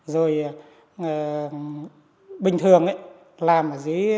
rồi bình thường làm ở dưới